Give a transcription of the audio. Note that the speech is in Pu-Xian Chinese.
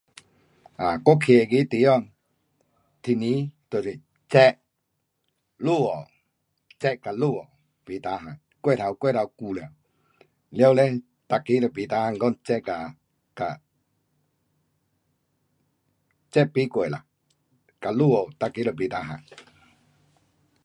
um 我站那个地方，天气就是热，落雨，热跟落雨，不 tahan, um 过头，过头久了，了嘞每个人都不 tahan 讲,嘎，热不过啦，跟落雨每个都不 tahan.